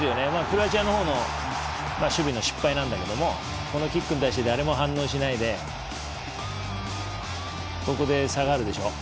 クロアチアの守備の失敗なんだけどこのキックに対して誰も反応しないで下がるでしょ。